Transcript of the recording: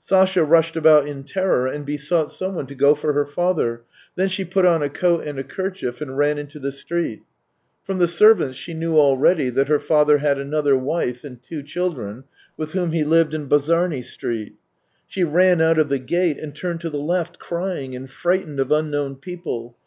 Sasha rushed about in terror and besought someone to go for her father, then she put on a coat and a kerchief, and ran into the street. From the servants she knew already that her father had another wife and two children with whom he lived in Bazarny Street. She ran out of the gate and turned to the left, crying, and frightened of unknown people.